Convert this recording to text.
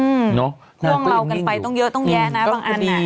อืมพ่วงเมากันไปตรงเยอะตรงแยะนะบางอันเนี่ยอืมน้องก็ยังนิ่งอยู่